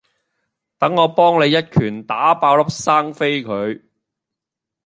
等我幫你一拳打爆粒生痱佢